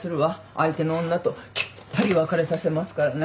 相手の女ときっぱり別れさせますからね。